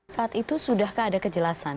saat itu sudahkah ada kejelasan